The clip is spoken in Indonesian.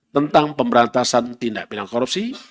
tentang pemberantasan tindak bidang korupsi